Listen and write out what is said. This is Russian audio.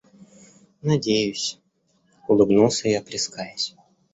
— Надеюсь, — улыбнулся я, плескаясь.